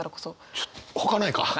ちょっほかないか？